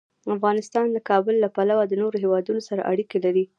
افغانستان د کابل له پلوه له نورو هېوادونو سره اړیکې لري.